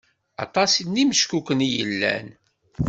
Aṭas n imeckuken i yellan.